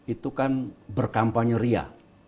itu kan berkampanye ria